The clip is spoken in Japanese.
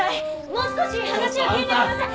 もう少し話を聞いてください。